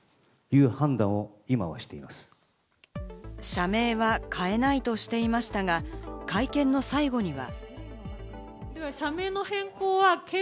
社名は変えないとしていましたが、会見の最後には。